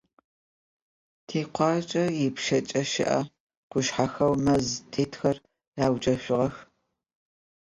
Тикъуаджэ ыпшъэкӏэ щыӏэ къушъхьэхэу мэз зытетыгъэхэр ауджэшъугъэх.